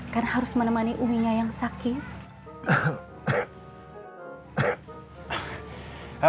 karena harus menemani uminya yang sakit